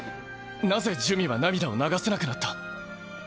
なぜ珠魅は涙を流せなくなった？